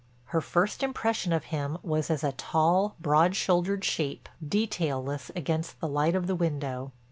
Her first impression of him was as a tall, broad shouldered shape, detailless against the light of the window.